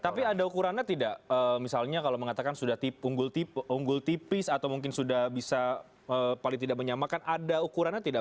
tapi ada ukurannya tidak misalnya kalau mengatakan sudah unggul tipis atau mungkin sudah bisa paling tidak menyamakan ada ukurannya tidak